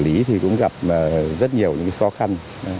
lý thì cũng gặp rất nhiều những khó khăn